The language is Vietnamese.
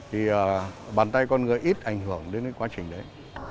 thì bàn tay con người ít ảnh hưởng đến cái quá trình đấy